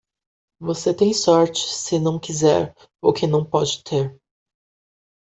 Você tem sorte se não quiser o que não pode ter.